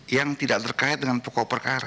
yang tidak terkait dengan pokok perkara